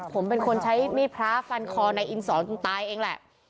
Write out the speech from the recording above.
ผมเป็นคนใช้มีดพระฟันคอในอินสอนจนตายเองแหละ